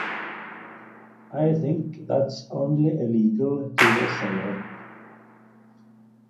I think that’s only illegal to the seller